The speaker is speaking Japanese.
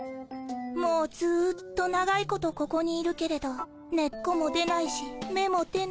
もうずっと長いことここにいるけれど根っこも出ないしめも出ない。